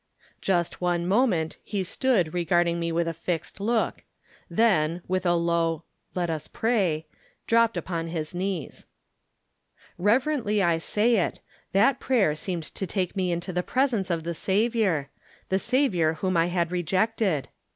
Just one moment he stood regarding me with a fixed look, then, with a low "let us pray," dropped upon his knees. Reyerently I say it, that prayer seemed to take me into the presence of the Saviour — the Saviour whom I had rejected.